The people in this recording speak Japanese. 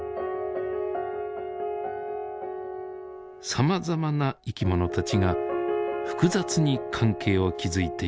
さまざまな生きものたちが複雑に関係を築いている森。